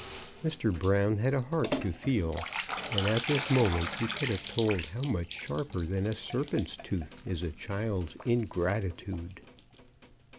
Mr. Brown had a heart to feel, and at this moment he could have told how much sharper than a serpent's tooth is a child's ingratitude!